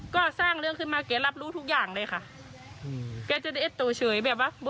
ครับ